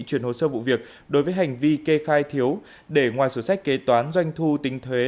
chuyển hồ sơ vụ việc đối với hành vi kê khai thiếu để ngoài sổ sách kế toán doanh thu tính thuế